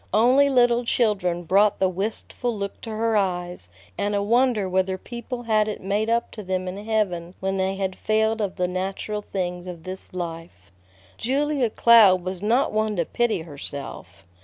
Only little children brought the wistful look to her eyes, and a wonder whether people had it made up to them in heaven when they had failed of the natural things of this life. Julia Cloud was not one to pity herself.